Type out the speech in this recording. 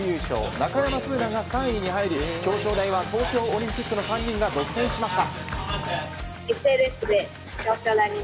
中山楓奈が３位に入り表彰台は東京オリンピック３人が独占しました。